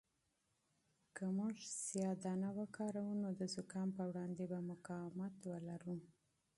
اگر موږ سیاه دانه وکاروو نو د زکام په وړاندې به مقاومت ولرو.